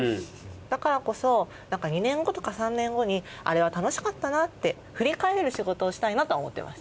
だからこそ２年後とか３年後にあれは楽しかったなって振り返れる仕事をしたいなとは思ってます。